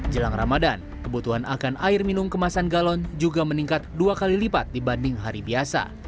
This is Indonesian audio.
jelang ramadan kebutuhan akan air minum kemasan galon juga meningkat dua kali lipat dibanding hari biasa